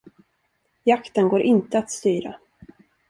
Jakten går inte att styra.